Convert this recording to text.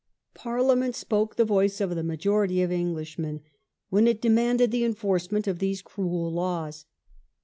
Parliament spoke the voice of the majority of Englishmen when it demanded the enforcement of these cruel laws.